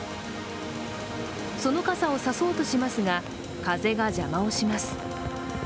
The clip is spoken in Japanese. その傘を差そうとしますが風が邪魔をします。